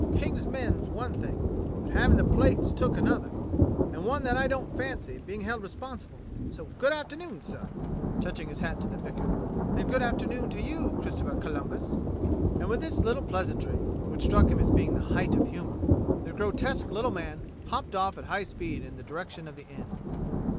King's men's one thing, but havin' the plate took's another, and one that I don't fancy, being held respon sible; so good afternoon, sir" — touching his hat to the vicar — "and good afternoon to you, Christopher Columbus." And with this little pleasantry, which struck him as being the height of humour, the grotesque little man hopped off at high speed in the direction of the inn.